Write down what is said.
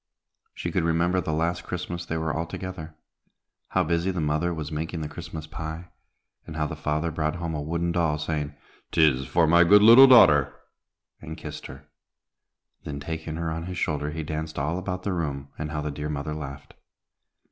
She could remember the last Christmas they were all together. How busy the mother was making the Christmas pie, and how the father brought home a wooden doll, saying, "'Tis for my good little daughter," and kissed her. Then, taking her on his shoulder, he danced all about the room, and how the dear mother laughed.